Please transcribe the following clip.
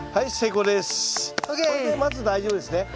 これでまず大丈夫ですね。